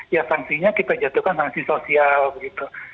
ya sanksinya kita jatuhkan sanksi sosial begitu